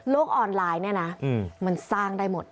ออนไลน์เนี่ยนะมันสร้างได้หมด